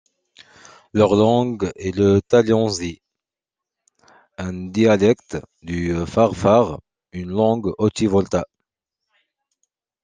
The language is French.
Leur langue est le tallensi, un dialecte du farefare, une langue oti-volta.